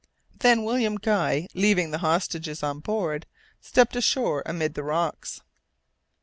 Then William Guy, leaving the hostages on board, stepped ashore amid the rocks.